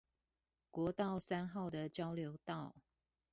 國道三號的交流道